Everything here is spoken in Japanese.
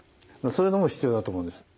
そういうのも必要だと思うんです。